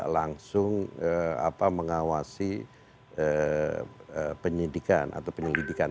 langsung mengawasi penyidikan atau penyelidikan